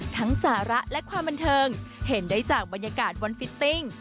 สาระและความบันเทิงเห็นได้จากบรรยากาศวันฟิตติ้ง